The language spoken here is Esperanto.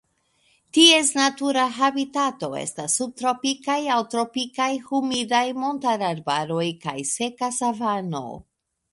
Ties natura habitato estas subtropikaj aŭ tropikaj humidaj montararbaroj kaj seka savano.